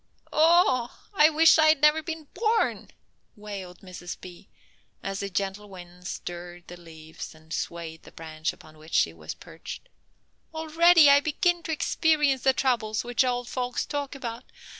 "Oh! I wish I had never been born," wailed Mrs. B., as the gentle wind stirred the leaves and swayed the branch upon which she was perched. "Already I begin to experience the troubles which old folks talk about.